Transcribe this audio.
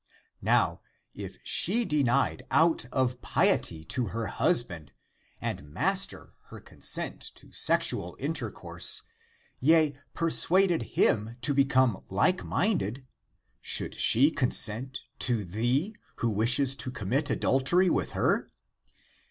Now, if she denied out of piety to her husband and master her consent to (sexual) intercourse, yea, persuaded him to become like minded, should she consent to thee, who wishes to commit adultery with her?